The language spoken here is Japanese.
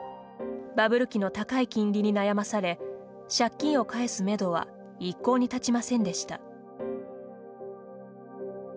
バブル期の高い金利に悩まされ借金を返すめどは一向に立ちませんでした。